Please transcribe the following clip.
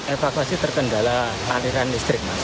evakuasi terkendala aliran listrik mas